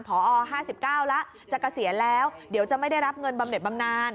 พอ๕๙แล้วจะเกษียณแล้วเดี๋ยวจะไม่ได้รับเงินบำเน็ตบำนาน